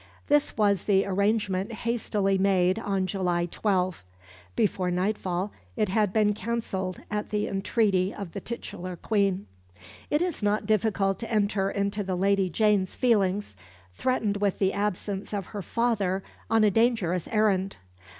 This was the arrangement hastily made on July 12. Before nightfall it had been cancelled at the entreaty of the titular Queen. It is not difficult to enter into the Lady Jane's feelings, threatened with the absence of her father on a dangerous errand.